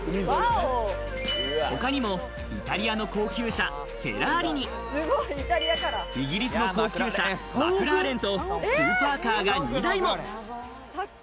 他にもイタリアの高級車フェラーリに、イギリスの高級車マクラーレンと、スーパーカーが２台も。